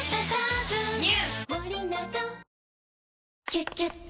「キュキュット」